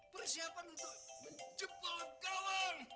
persiapan untuk menjepol gawang